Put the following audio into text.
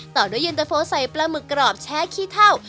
ต่อด้วยเย็นตะโฟใส่ปลาหมึกกรอบแช่ขี้เท่า